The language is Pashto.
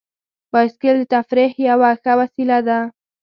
بایسکل د تفریح یوه ښه وسیله ده.